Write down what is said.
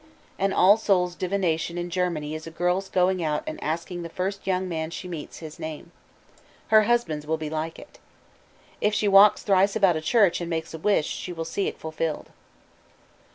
An All Souls' divination in Germany is a girl's going out and asking the first young man she meets his name. Her husband's will be like it. If she walks thrice about a church and makes a wish, she will see it fulfilled.